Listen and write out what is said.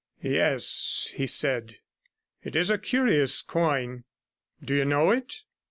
'Yes,' he said; 'it is a curious coin. Do you know it?'